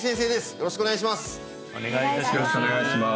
よろしくお願いします